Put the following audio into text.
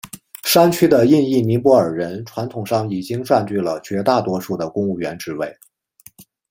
山区的印裔尼泊尔人传统上已经占据了绝大多数的公务员职位。